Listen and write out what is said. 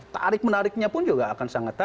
tarik menariknya pun juga akan sangat